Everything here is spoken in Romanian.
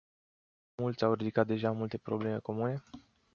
Mulți au ridicat deja mai multe probleme comune.